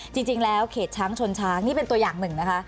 จริงแล้วเขตช้างชนช้างนี่เป็นตัวอย่างหนึ่งนะคะ